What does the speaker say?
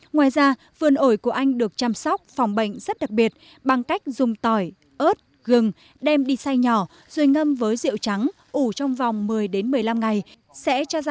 ngoài ra vườn ổi của anh được chăm sóc phòng bệnh rất đặc biệt bằng cách dùng tỏi ớt gừng đem đi xay nhỏ rồi ngâm với rượu trắng ủ trong vòng một mươi đêm